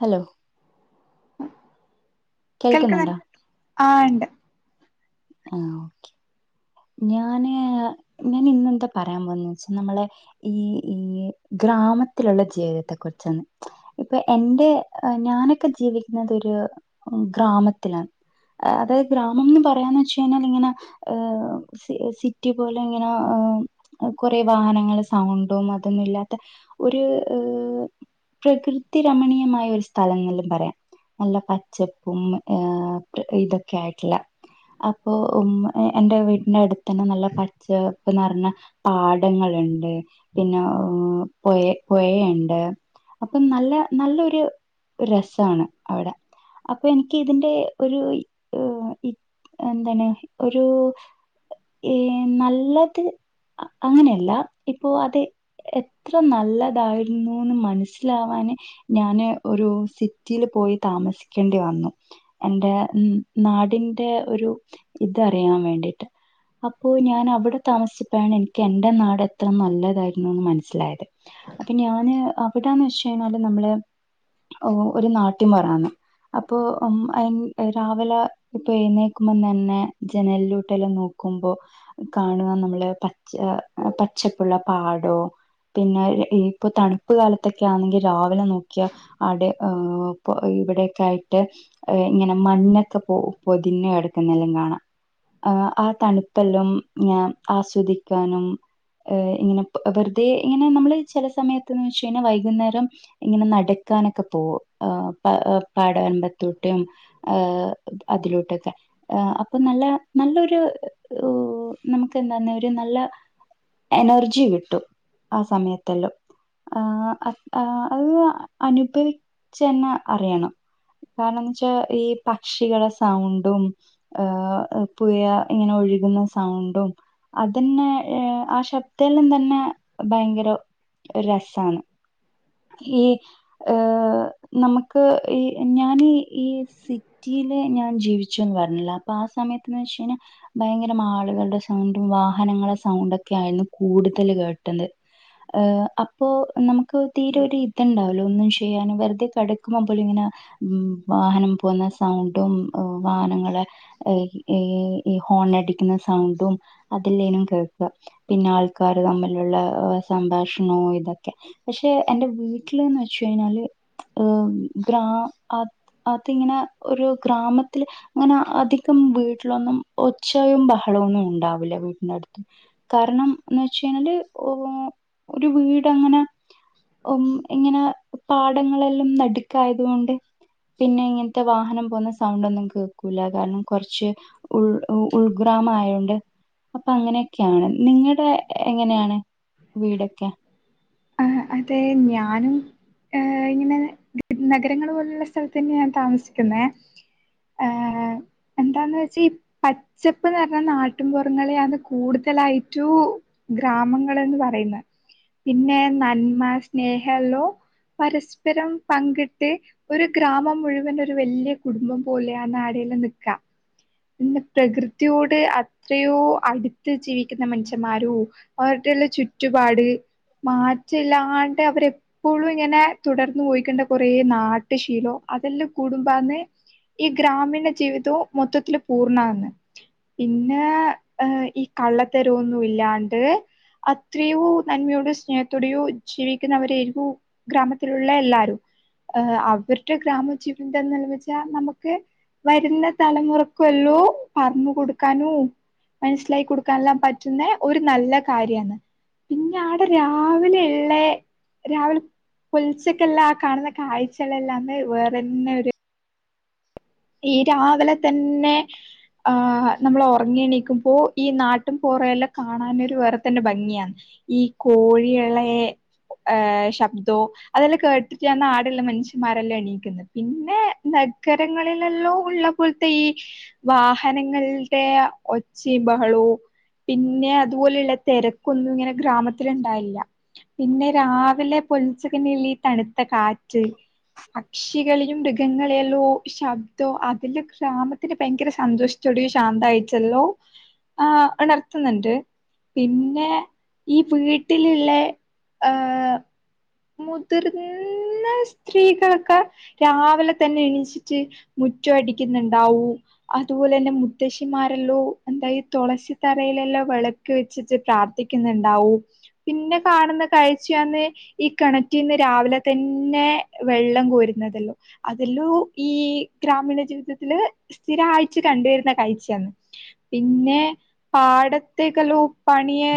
Hello കേൾക്ണ് കേൾക്കുന്നുണ്ടോ ആ ഇണ്ട് ആ ഓക്കെ ഞാന് ഞാൻ ഇന്നെന്താ പറയാൻ പോന്ന് വെച്ചാ നമ്മളെ ഈ ഈ ഗ്രാമത്തിലുള്ള ജീവിതത്തെ കുറിച്ചാണ് ഇപ്പൊ എന്റെ ഞാനൊക്കെ ജീവിക്കുന്നത് ഒരു ഗ്രാമത്തിലാണ്. അതായ ഗ്രാമം എന്ന് പറയാന്ന് വെച്ച കഴിഞ്ഞാൽ ഇങ്ങനെ അ സിറ്റി പോലെ ഇങ്ങനെ കൊറെ വാഹനങ്ങളെ സൗണ്ടും അതൊന്നും ഇല്ലാത്ത. ഒരു പ്രകൃതി രമണീയമായ ഒരു സ്ഥലം എന്നും പറയാം. നല്ല പച്ചപ്പും ഇതൊക്കെ ആയിട്ടുള്ള അപ്പോ ഉ എന്റെ വ് അടുത്ത് തന്നെ നല്ല പച്ചപ് റഞ്ഞ പാടങ്ങള്ണ്ട്. പിന്നെയ പൊയ പൊഴണ്ട് അപ്പൊ നല്ല നല്ലൊരു ഒരു രസാണ് അവിടെ? അപ്പൊ എനിക്ക് ഇതിന്റെ ഒരു ഇ എന്താണ് ഒരു ഈ നല്ലത് അങ്ങനെയല്ല ഇപ്പോ അത് എത്ര നല്ലതായിരുന്നുന്ന് മനസ്സിലാവാന് ഞാന് ഒരു സിറ്റീല് പോയി താമസിക്കേണ്ടി വന്നു. എന്റെ ഉം നാടിന്റെ ഒരു ഇത് അറിയാൻ വേണ്ടിയിട്ട്. അപ്പോ ഞാൻ അവിടെ താമസിപ്പഴാണ് എനിക്ക് എന്റെ നാട് എത്ര നല്ലതായിരുന്നുന്ന് മനസ്സിലായത്. അപ്പി ഞാന് അവിടാന്ന് വെച്ച് ഴിഞ്ഞാല് നമ്മള് ഒരു നാട്ടിം പൊറാന്ന്. അപ്പൊ ഉം അയ്ൻ രാവിലെ ഇപ്പൊ എഴുന്നേക്കുമ്പോം തന്നെ ജനലിലോട്ട്ല്ലാം നോക്കുമ്പോ കാണുക നമ്മള് പച്ച പച്ചപ്പുള്ള പാടോ പിന്നെഴ് ഇപ്പൊ തണുപ്പ് കാലത്തൊക്കെ ആന്നെങ്കി രാവിലെ നോക്കിയാ അടെ ഊ പ്പൊ ഇവിടെക്കായി - - ട്ട് ഇ ങ്ങനെ മണ്ണൊക്കെ പൊതിഞ്ഞ് കെടക്കുന്നെല്ലാം കാണാം. ആ ലും ഇപ്പല്ലും ഞാൻ ആസ്വാദിക്കാനും ഹേഇങ്ങനെ പെ വെറുതെ ഇങ്ങനെ നമ്മള് ചില സമയത്ത്ന്ന് വെച്ച കഴിഞ്ഞാ വൈകുന്നേരം ഇങ്ങനെ നടക്കാനൊക്കെ പോവും ആ പ പാടവരമ്പത്തൂട്ട് ആഹ് അതിലോട്ടൊക്കെ അ അപ്പൊ നല്ല നല്ലൊരു ഊ നമുക്ക് എന്താന്ന ഒരു നല്ല എനർജി കിട്ടും ആ സ മയത്തല്ലോ -. - ആ അത് അനുഭവിച്ചന്നെ അറിയണം. കാരണംന്ന് വെച്ചാ ഈ പക്ഷികള സൗണ്ടും ഹേ പുഴ ഇങ്ങനെ ഒഴുകുന്ന സൗണ്ടും അതന്നെ ആ ശബ ത്തെല്ലാം തന്നെ ഭയങ്കര രസാണ് ഈ ഏ നമുക്ക് ഈ ഞാൻ ഈ സിറ്റിയില് ഞാൻ ജീവി ച്ചും വർണില്ല. അപ്പ ആ സമയത്ത് എന്ന് വെചെയിഞ്ഞാൽ ഭയങ്കരമ ആളുകളുടെ സൗണ്ടും. വാഹനങ്ങളെ. സൗണ്ടൊക്കെ ആയിരുന്നു കൂടുതൽ കേട്ടത് ഹ്ഹ. അപ്പോ നമക്ക് തീരെ ഒരു ഇതുണ്ടാവല്ലോ ഒന്നു ഷെയ്യാനും വെറുതെ കെടക്കുമ്പോ പോലും ഇങ്ങനെ മ്മ്. വാഹനം പോന്ന. സൗണ്ടും വാഹനങ്ങളെ ഏ. ഏ യ്യ് ഹോണടിക്കുന്ന സൗണ്ടും അതെല്ലേനും കേക്കാ പിന്നെ ആൾക്കാാര് തമ്മിലുള്ള സംഭാഷണവും ഇതൊക്കെ പഷെ. എന്റ വീട്ടില്ന്ന്വെച്ഴിഞ്ഞാല് ഹ്. മ്മ്. ഗ്രാ അത് അതിങ്ങനെ ഒരു ഗ്രാമത്തില് ങ്ങനെ അതി ട്ടും വീട്ടിലൊന്നും ഒച്ചയും ബഹളൊന്നും ഉണ്ടാവുല്ല. വീട്ട്നടുത്ത് കാരണംന്ന് വെച്ചഴിഞ്ഞാല് ഒ ഒരു വീട് അങ്ങനെ ഉം. ഇങ്ങനെ പാഠങ്ങളെല്ലാം നടുക്കായതുകൊണ്ട് പിന്നെ ഇങ്ങൻത്തെ വാഹനം പോവുന്ന സൗണ്ടൊന്നും കേക്കൂല കാരണം കൊ റച്ച് ഉൾ ഉ ഉൾഗ്രാമ ആയോണ്ട് അപ്പൊ അങ്ങനെയൊക്കെയാണ് നിങ്ങടെ എങ്ങനെയാണ് വീടൊക്കെ ആ്ഹ. അതെ. ഞാനും ഏ ഇങ്ങനെ ഗ് നഗരങ്ങൾ പോലുള്ള സ്ഥലത്ത് തന്നെയാണ് താമസിക്കുന്നേ ആഹ് ആഹ് എന്താന്ന് വെച്ചി പച്ചപ്പ്ന്ന് പറഞ്ഞ നാട്ടുംപൊറങ്ങളെയാണ് കൂടുതലായി റ്റു ഗ്രാമങ്ങളന്ന് പറയുന്നേ പിന്നെ. നന്മ, സ്നേഹള്ളൂ. പരസ്പരം പങ്കിട്ട് ഒരു ഗ്രാമം മുഴുവൻ ഒരു വല്യ കുടുംബം പോലെണ്. ആടില്ലാം നിക്ക പിന്നെ പ്രകൃതിയോട് അത്രയോ അടുത്ത് ജീ ക്ക്ന്ന മൻഷ്യമ്മാരു [unintelligible] ചുറ്റുപാട് മാറ്റല്ലാണ്ട് അവരെ ഇപ്പോളും ഇങ്ങനെ തുടർന്ന് പോയിക്കണ്ട കുറെ നാട്ടു ശീലോ അതെല്ലാം കൂടുമ്പാന്നേ ഈ ഗ്രാമീണ ജീവിതവു മൊത്തത്തിൽ പൂർണ്ണാകുന്ന് പിന്നെ. ഹ് ഈ കള്ളത്തരൊന്നും ഇല്ലാണ്ട് അത്രയോ നന്മയോടെ. സ്നേഹത്തോടെയോ ജീവിക്കുന്നവരെവു ഗ്രാമത്തിലുള്ള എല്ലാരും ഹ്. അവരുടെ ഗ്രാമ ജീവിതം എന്ത വെച്ചാ നമക്ക് വരുന്ന തലമുറകൊല്ലു. പറഞ്ഞു കൊടുക്കാനും. മനസ്സിലായി കൊടുക്കാനല്ല പറ്റുന്ന ഒരു നല്ല കാര്യയാണ് പിന്നെ ആടെ രാവിലെള്ളേ. രാവില് പൊൽച്ചക്ള്ള ആ കാണുന്ന. കാഴ്ചകളെല്ലമേ. വേറെന്നെരു ഈ, രാവിലെ തന്നെ ആ് നമ്മൾ ഒറങ്ങി എണീക്കുമ്പോ ഈ നാട്ടും പോറയെല്ലാ, കാണാനൊരു. വേറെ തന്നെ ഭംഗിയാണ് ഈ കോഴിയെള്ളെ. ഏഹ. ശബ്ദോ അതെല്ലാം കേട്ടട്ടാണ്. ആടുള്ള മനുഷ്യമാരെല്ലേ എണീക്കുന്നേ. പിന്നെ നഗര ങ്ങളിലെല്ലോ. ഉള്ളപ്പോൽത്തെ. ഈ വാഹനങ്ങൾടെ. ഒച്ചി ബഹളോ പിന്നെ അതുപോലുള്ള തെരക്കൊന്നും. ഇങ്ങനെ ഗ്രാമത്തി ഉണ്ടായില്ല പിന്നെ, രാവിലെ പൊൽച്ചകനിൽ തണ്ത്ത. കാറ്റ് പക്ഷികളിലും. മൃഗങ്ങളെയെല്ലോ ശബ്ദോ, അതില് ഗ്രാമത്തിൽ. ഭയങ്കര സന്തോഷത്തുടെ ശാന്തയിട്ടല്ലോ ആ. വളർത്തുന്നുണ്ട് പിന്നെ, ഈ വീട്ടിൽല്ള്ളെ. ഹ്ഹ മുതിർന്ന. സ്ത്രീകൾക്ക് രാവിലെ തന്നെ എണിച്ചിട്ട് മുറ്റ അടിക്കുന്നുണ്ടാവൂ അതുപോലെന്നെ. മുത്തശ്ശിമാരെല്ലോ എന്തായി. തൊളസി തറയിലെല്ലാം. വേള ക്. വെച്ചിട്ട് പ്രാർത്ഥിക്കുന്നുണ്ടാവു. പിന്നെ കാണുന്ന കാഴ്ചയാ ന്ന് ഈ കെണറ്റിന്ന്. രാവിലെ തന്നെ വെള്ളം കോരുന്നതല്ലോ അതെല്ലോ ഈ ഗ്രാമീണ ജീവിതത്തില് സ്ഥിര. ആയിട്ട്. കണ്ടുവരുന്ന. കാഴ്ച ആണ് പിന്നെ പാടത്തേക്കല്ലോ പണിയെ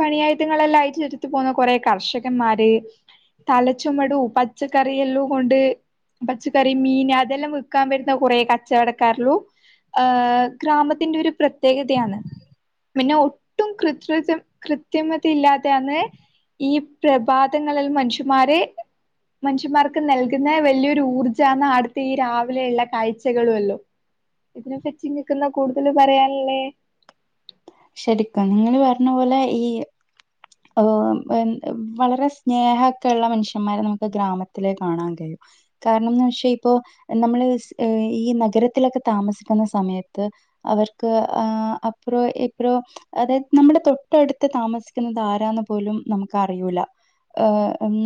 പണിയായുധങ്ങളെല്ലാം ആയിട്ട് ചുരുത്ത് പോകുന്ന കൊറെ കർഷകന്മാര് തലച്ചുമടു പച്ചക്കറിയെല്ലാം കൊണ്ട് പച്ചക്കറി മീൻ അതെല്ലാം വിൽക്കാൻ വരുന്ന കുറെേ കച്ചവടക്കാരുള്ളു ഹ ഗ്രാമത്തിന്റെ ഒരു പ്രത്യേകതയാണ് പിന്നെ ഒട്ടും കൃത് കൃത്യമതയില്ലാതെയാണ് ഈ പ്രഭാതങ്ങളിൽ മനുഷ്യുമാരെ മനുഷ്യന്മാർക്ക് നൽകുന്ന വലിയൊരു ഊർജ്ജാന്ന് അടുത്ത് ഈ രാവിലെയ ഉുള്ള കാഴ്ചകളുമല്ലോ ഇതിന് പറ്റി നിങ്ങക്ക് എന്താ കൂടുതൽ പറയാനുള്ളെ ശരിക്കും നിങ്ങൾ പറഞ്ഞ പോലെ ഈ ഹോ. വളരെ സ്നേഹക്കെ ഉള്ള മനുഷ്യന്മാരെ നമുക്ക് ഗ്രാമത്തിലെ കാണാൻ കഴിയും കാരണംന്ന് വെച്ചാ ഇപ്പൊ നമ്മള് ഈ നഗരത്തിലൊക്കെ താമസിക്കുന്ന സമയത്ത് അവർക്ക് ആ അപ്പുറോ ഇപ്പുറോ അതായത് നമ്മുടെ തൊട്ടടുത്ത് താമസിക്കുന്നത് ആര ആരാന്നു പോലും നമുക്ക്അറിയൂല്ല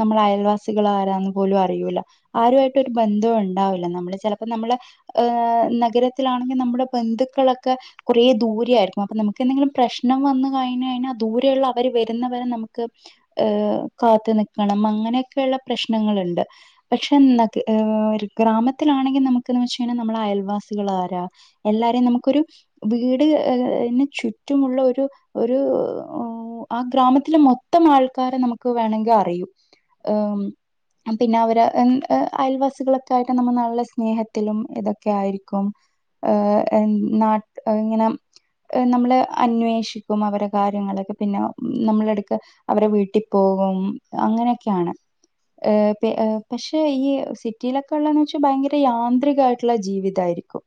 നമ്മള അയൽവാസികൾ ആരാന്ന് പോലും അറിയുല്ല ആരുമായിട്ട് ഒരു ബന്ധവും ഉണ്ടാവില്ല നമ്മള് ചിലപ്പോ നമ്മള് ഏഹ നഗരത്തിലാണെങ്കിൽ നമ്മുടെ ബന്ധുക്കളൊക്കെ കുറേ ദൂരെയയിരിക്കും അപ്പൊ നമുക്ക് എന്തെങ്കിലുംപ്രശ്നം വന്നു കഴിഞ് കഴിഞ്ഞാൽ ദൂരെയുള്ള അവര് ന്നവരെ നമുക്ക് ഏഹ കാത്തു നിക്കണം അങ്ങനെയൊക്കെയുള്ള പ്രശ്നങ്ങളുണ്ട് പക്ഷെ ന ഒരു ഗ്രാമത്തിലാണെങ്കിൽ നമുക്കന്ന് വെ കഴിഞ്ഞാൽ നമ്മളഅയൽവാസി [inaudible] ള്ളാരാ എല്ലാരേും നമുക്കൊരു വീട്ഏന് ചുറ്റുമുള്ള ഒരു ഒരു ആ ഗ്രാമത്തിലെ മൊത്തം ആൾക്കാരെ നമുക്ക് വേണമെങ്കിൽ അറിയൂ പിന്നെ അവര് അയൽവാസികളൊക്കെ ആയിട്ട് നമ്മൾ നല്ല സ്നേഹത്തിലും ഇതൊക്കെ ആയിരിക്കും ഏ നാട്ട ഇങ്ങനെ നമ്മള് അന്വേഷിക്കും അവടെ കാര്യങ്ങളൊക്കെ പിന്നെ നമ്മളടുക്ക് അവരെ വീട്ടിൽ പോകും അങ്ങനെയൊക്കെയാണ് പക്ഷെ ഈ സിറ്റിയിലൊക്കെള്ളെന്ന്ച്ചാ ഭയങ്കര യാന്ത്രികായിട്ടുള്ള ജീവിതായിരിക്കും.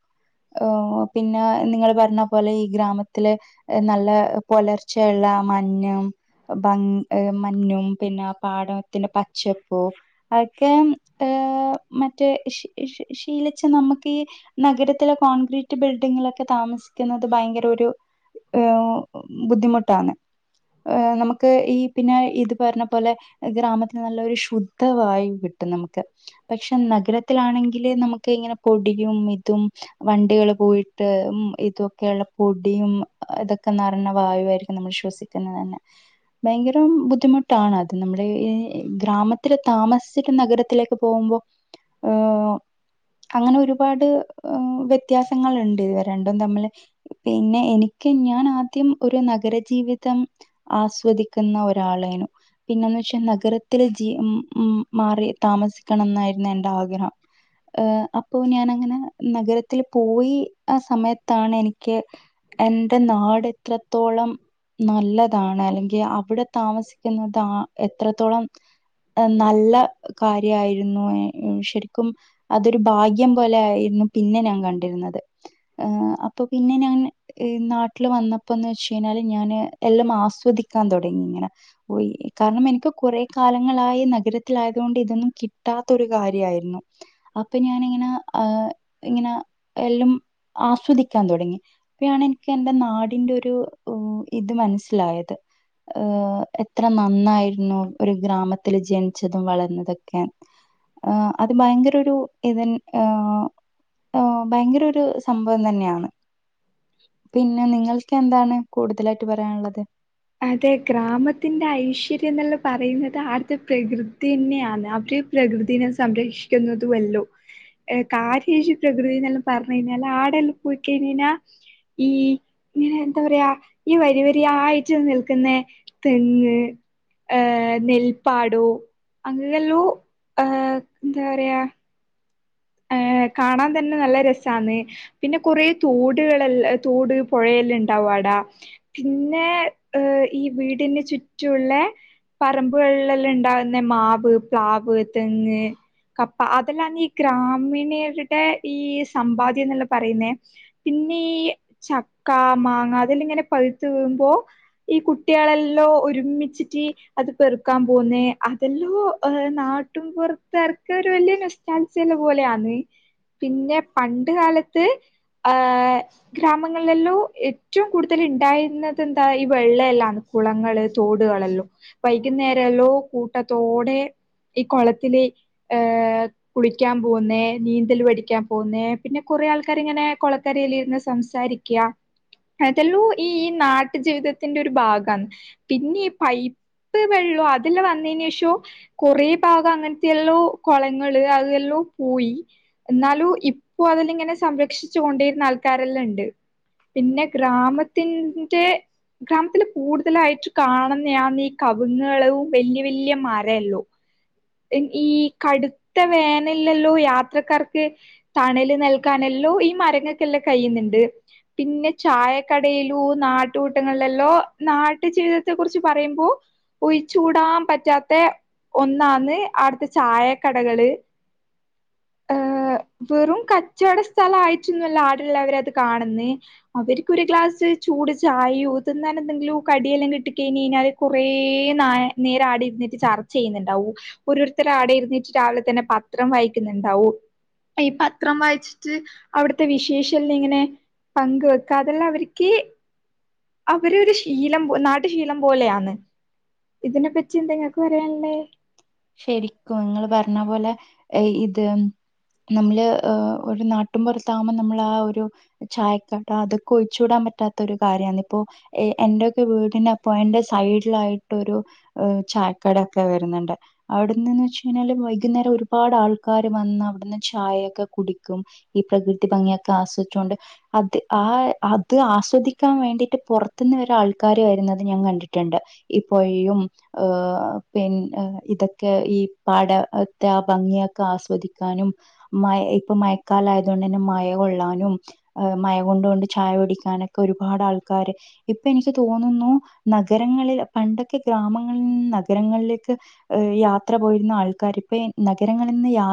പിന്നെ നിങ്ങൾ പറഞ്ഞ പോലെ ഈ ഗ്രാമത്തിലെ നല്ല പുലർച്ചയെള്ള മ ന്ന ബ മഞ്ഞും പിന്ന പാടത്തിന്റെ പച്ചപ്പു അതൊക്കെ ഏഹ് മറ്റേ ശീലിച്ച നമുക്ക് ഈ നഗരത്തിലെ കോൺക്രീറ്റ് ബിൽഡിങ്ങിലൊക്കെ താമസിക്കുന്നത് ഭയങ്കര ഒരു ഏ ബുദ്ധിമുട്ടാണ്. നമുക്ക് ഈ പിന്നെ ഇത് പറഞ്ഞ പൊലെ ഗ്രാമത്തിന് നല്ലൊരു ശുദ്ധവായു കിട്ടും നമുക്ക്. പക്ഷെ നഗരത്തിലാണെങ്കില് നമുക്ക് ഇങ്ങനെ പൊടിയും, ഇതും വണ്ടികള് പോയിട്ട് ഉം ഇതൊക്കെള്ള പൊടിയും ഇതൊക്കെ നെറഞ്ഞ വായുവായിരിക്കും നമ്മൾ ശ്വസി [inaudible] ഭയങ്കരം ബുദ്ധിമുട്ടാണ് അത് നമ്മുടെ ഈ ഗ്രാമത്തില് താമസിച്ചിട്ട് നഗരത്തിലേക്ക് പോകുമ്പോ ആഹ് അങ്ങന ഒരുപാട് വ്യത്യാസങ്ങള്ണ്ട്. ഇവ രണ്ടും തമ്മില് പിന്നെ എനിക്ക് ഞാൻ ആദ്യം ഒരു നഗരജീവി തം ആസ്വദിക്കുന്ന ഒരാളായിനു. പിന്നെന്ന്ച്ചാ നഗരത്തിൽ ജീ ഉം ഉം മാറി താമസിക്കണംന്നായിരുന്നു എന്റ ആഗ്രഹം. ഏ അപ്പൊ ഞാനങ്ങനെ നഗരത്തില് പോയി ആ സമയത്താണ് എനിക്ക് എന്റെ നാട് എത്രത്തോളം നല്ലതാണ്, അല്ലെങ്കി അവിടെ താമസിക്കുന്നത് ആ എത്രത്തോളം നല്ല കാര്യായിരുന്നു, ശരിക്കും അതൊരു ഭാഗ്യം പോലായിരുന്നു പിന്ന ഞാൻ കണ്ടിരുന്നത്. അപ്പൊ പിന്നെ ഞാൻ നാട്ടില് വന്നപ്പോന്ന്ച്ച് കഴിഞ്ഞാല് ഞാന് എല്ലം ആസ്വദിക്കാൻ തൊടങ്ങി ഇങ്ങനെ. പോയി കാരണം എനിക്ക് കൊറെ കാലങ്ങളായി നഗരത്തിലായതോണ്ട് ഇതൊന്നും കിട്ടാത്തൊരു കാര്യായിരുന്നു. അപ്പൊ ഞാനിങ്ങനെ ഹ് ഇങ്ങന എല്ലും ആസ്വദിക്കാൻ തൊടങ്ങി. അപ്പയാണ് എനിക്ക് എന്റെ നാടിന്റെ ഒരു ഇത് മനസ്സിലായത്. ഹ് എത്ര നന്നായിരുന്നു ഒരു ഗ്രാമത്തില് ജനിച്ചതും വളർന്നതക്കെ ആ അത് ഭയങ്കര ഒരു ഇതൻ ഹ് ഭയങ്കര ഒരു സംഭവം തന്നെയാണ്. പിന്നെ നിങ്ങൾക്കെന്താണ് കൂടുതലായിട്ട് പറയാന്ള്ളത്. അതെ ഗ്രാമത്തിന്റെ ഐശ്വര്യംന്നല്ല പറയുന്നത് ആടുത്തെ പ്രകൃതിന്നെയാണ് അവര് പ്രകൃതിനെ സംരക്ഷിക്കുന്നതുവല്ലോ. ഏ കാര്യേശ് പ്രകൃതിന്നെല്ലാം പറഞ്ഞ് കഴിഞ്ഞാല് ആടെല്ലാം പോയി കഴിഞ്ഞിഞ്ഞ ഈ ഇങ്ങനെ എന്താ പറയാ ഈ വരി വരി ആയി ച്ചും നിൽക്കുന്നെ തെങ്ങ് ഏഹ് നെൽപ്പാടു അങ്ങനല്ലോ ഹ എന്താറയാ ഏ കാണാൻ തന്നെ നല്ല രസാന്ന്. പിന്ന കൊറേ തോടുകളെ തോട് പുഴെല്ലാം ണ്ടാവും അടാ. പിന്നെ ഈ വീടിന് ചുറ്റുള്ളെ പറമ്പുകള്ലെല്ലണ്ടാവുന്ന മാവ്, പ്ലാവ്, തെങ്ങ് കപ്പ അതെല്ലാന്ന് ഈ ഗ്രാമീണരുടെ ഈ സമ്പാദ്യംന്നുള്ള പറയുന്നേ പിന്നെ ഈ ചക്ക, മാങ്ങ, അതെല്ലാം ഇങ്ങനെ പഴുത്ത് വീഴുമ്പോ ഈ കുട്ടികളെല്ലോ ഒരുമിച്ചിറ്റി അത് പെറുക്കാൻ പോവുന്നേ, അതെല്ലോ നാട്ടും പുറത്താർക്ക് ഒരു വലിയ നൊസ്റ്റാൾ ജിയ പോലെയാന്ന്. പിന്നെ പണ്ട് കാലത്ത് ഹ് ഗ്രാമങ്ങളിലെല്ലോ ഏറ്റോം കൂടുതലി ഇണ്ടായിരുന്നത് എന്താ ഈ വെള്ള എല്ലാന്ന്. കുളങ്ങള്, തോടുകളല്ലോ വൈകുന്നേരല്ലോ കൂട്ടത്തോടെ ഈ കൊളത്തില് ഹ് കുളിക്കാൻ പോകുന്നേ, നീന്തല് പടിക്കാൻ പോന്നേ, പിന്നെ കുറെ ആൾക്കാരിങ്ങനെ കൊളക്കരേലിരുന്ന് സംസാരി ക്ക്യ, ഇതല്ലൂ ഈ, ഈ നാട്ടു ജീവിതത്തിന്റെ ഒരു ഭാഗന്ന്. പിന്നെ ഈ പൈ പ്പ്‌ വെള്ളു അതില്ല് വന്നെനേശോ കൊറേ ഭാഗം അങ്ങനത്തെയല്ലോ കൊളങ്ങള് ല്ലോ പോയി. ന്നാലും ഇപ്പൊ അതിലിങ്ങനെ സംരക്ഷിച്ചു കൊണ്ടേരുന്ന ആൾക്കാരെല്ലാം ഇണ്ട്. പിന്നെ ഗ്രാമത്തിന്റെ ഗ്രാമത്തില് കൂടുതലായിട്ട് കാണുന്നെ ആന്ന് ഈ കവിങ്‌ള് വല്യ വല്യ മരയല്ലു ഈ കടുത്ത വേനലല്ലു യാത്രക്കാർക്ക് തണല് നൽകാനെല്ലു ഈ മരങ്ങക്കെല്ലാം കഴിന്ന്ണ്ട്. പിന്നെ ചായക്കടയിലു നാട്ടുകൂട്ടങ്ങളിലല്ലോ നാട്ടു ജീവിതത്തെ കുറിച്ച് പറയുമ്പോ ഒയിച്ച് കൂടാം പറ്റാത്ത ഒന്നാന്ന് അടുത്തെ ചായക്കടകള് ഹ് വെറും കച്ചട സ്ഥലം ആയിറ്റൊന്നുല്ല ആടെള്ളവരത് കാണുന്നെ അവര്ക്ക് ഒരു ഗ്ലാസ് ചൂട് ചായോ തിന്നാൻ എന്തെങ്കിലും കടിയെല്ലാം കിട്ടി കഴിഞഴിഞ്ഞാല് കുറേ ന നേരം ആടെ ഇരുന്നിട്ട് ചർച്ച ചെയ്യുന്നുണ്ടാവു ഓരോരുത്തര് ആടെ ഇരുന്നിട്ട് രാവിലെ തന്നെ പത്രം വായിക്കുന്നുണ്ടാവു. ഈ പത്രം വായിച്ചിട്ട് അവിടുത്തെ വിശേഷല്ലം ഇങ്ങനെ പങ്ക് വെക്ക അതെല്ലാം അവരിക്ക് അവര് ഒരു ശീലം പോ നാ ശീലം പോലെയാന്ന് ഇതിനെപ്പറ്റി എന്താ ങ്ങക്ക് പറയാന്ള്ളേ. ശരിക്കും ഇങ്ങള് പറഞ്ഞ പോലെ എ ഇത് നമ്മള് ഒരു നാട്ടും പുറത്താകുമ്പോ നമ്മളാ ഒരു ചായക്കട അതൊക്കെ ഒഴിച്ചൂടാൻ പറ്റാത്ത ഒരു കാര്യാന്ന്. ഇപ്പോ എ എന്റെയൊക്കെ വീടിനപ്പൊ എന്റെ സൈഡിലായിട്ടൊരു ചായക്കടൊക്കെ വരുന്നുണ്ട്. അവിടന്ന്ന്ന്ച്ച്ഴിഞ്ഞാല് വൈകുന്നേരം ഒരുപാട് ആൾക്കാര് വന്ന് അവിടുന്ന് ചായയൊക്കെ കുടിക്കും. ഈ പ്രകൃതി ഭംഗിയൊക്കെ ആസ്വദിച്ചൊണ്ട്. അത് ആ അത് ആസ്വദിക്കാ വേണ്ടിട്ട് പുറത്തുന്ന് വരെ ആൾക്കാര് വരുന്നത് ഞാൻ കണ്ടിട്ടുണ്ട്. ഇപൊയ്യും പിന്ന ഇത ക്കെ ഈ പാടത്തെ ആ ഭംഗിയൊക്കെ, ആസ്വദിക്കാനും. മയ ഇപ്പൊ മയക്കാലയതൊണ്ടന്നെ മയ കൊള്ളാനും. മയകൊണ്ട് കൊണ്ട് ചായ കുടിക്കാനൊക്കെ ഒരുപാട് ആൾക്കാര്, ഇപ്പ എനിക്ക് തോന്നുന്നു നഗരങ്ങളില് പണ്ടൊക്കെ ഗ്രാമങ്ങളി നിന്നും നഗരങ്ങളിലേക്ക് യാത്ര പോയിരുന്ന ആൾക്കാരിപ്പ ഇ നഗരങ്ങളിനിന്ന് യാ